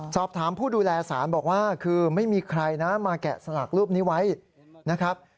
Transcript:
สอบถามผู้ดูแลสารบอกว่าคือไม่มีใครนะมาแกะสลักรูปนี้ไว้นะครับ